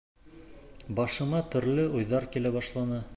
Башыма төрлө уйҙар килә башланы.